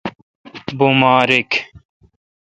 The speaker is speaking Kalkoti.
بماریک۔